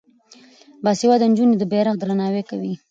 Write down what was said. باسواده نجونې د بیرغ درناوی کوي.